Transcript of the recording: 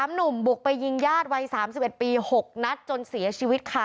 หนุ่มบุกไปยิงญาติวัย๓๑ปี๖นัดจนเสียชีวิตค่ะ